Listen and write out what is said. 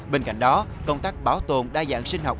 bên cạnh đó công tác bảo tồn đa dạng sinh học